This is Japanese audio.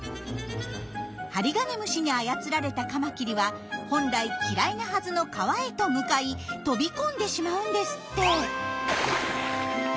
ハリガネムシに操られたカマキリは本来嫌いなはずの川へと向かい飛び込んでしまうんですって。